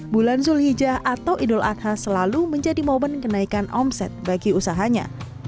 bulan zulhijjah atau idul adha selalu menjadi momen kenaikan omset bagi usahanya